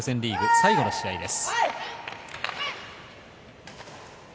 最後の試合です。